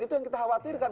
itu yang kita khawatirkan